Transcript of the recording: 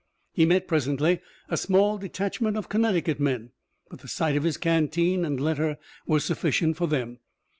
He met presently a small detachment of Connecticut men, but the sight of his canteen and letter was sufficient for them.